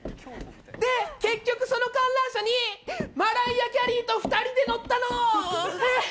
で結局その観覧車にマライア・キャリーと２人で乗ったの！